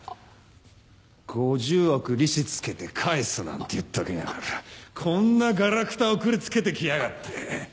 ５０億利子付けて返すなんて言っておきながらこんなガラクタ送り付けてきやがって。